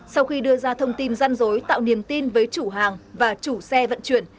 sau khi đưa ra thông tin răn rối tạo niềm tin với chủ hàng và chủ xe vận chuyển